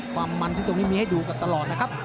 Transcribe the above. ความมันที่ตรงนี้มีให้ดูกันตลอดนะครับ